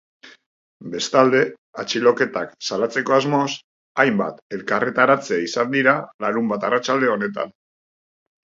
Bestalde, atxiloketak salatzeko asmoz hainbat elkarretaratze izan dira larunbat arratsalde honetan.